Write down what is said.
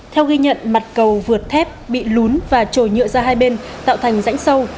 theo ghi nhận mặt cầu vượt thép bị lún và trồi nhựa ra hai bên tạo thành rãnh sâu